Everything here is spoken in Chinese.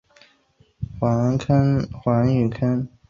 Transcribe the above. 环陨坑四周覆盖着一些来自阿里斯基尔环形山的辐射纹。